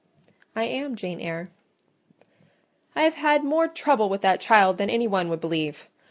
"I am Jane Eyre." "I have had more trouble with that child than any one would believe.